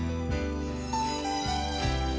mbampeng buddy disini hesitant